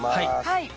はい。